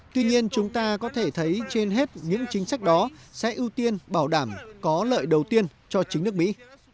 tuy nhiên chúng ta có thể thấy trên hết những chính sách đó sẽ ưu tiên bảo đảm có lợi đầu tiên cho chính nước mỹ